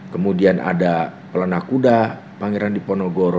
kemudian ada pelana kuda pangeran diponogoro